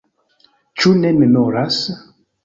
Ĉu ne memoras?